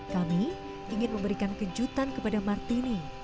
kami ingin memberikan kejutan kepada martini